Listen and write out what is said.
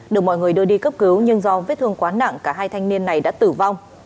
được mọi người đưa đi cấp cứu nhưng do vết thương quá nặng cả hai thanh niên này đã tử vong